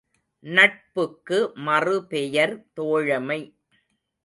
நட்புக்கு மறுபெயர் தோழமை.